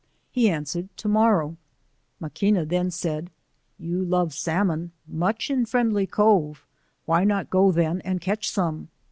He answered to morrow. Maquina then said, * you love salmon — much in Friendly Cove, why not go then and catch some?'